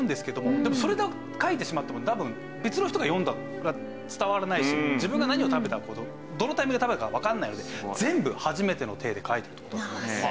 でもそれで書いてしまっても多分別の人が読んだら伝わらないし自分が何を食べたどのタイミングで食べたかわからないので全部初めての体で書いてるって事。